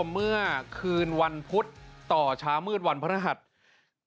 เมื่อคืนวันพุธต่อช้ามืดวันพระนาฮัทธิ์